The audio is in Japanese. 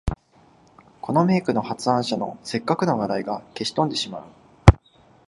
この名句の発案者の折角の笑いが消し飛んでしまう